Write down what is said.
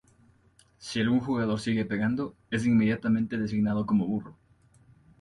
Si algún jugador sigue pegando, es inmediatamente designado como Burro.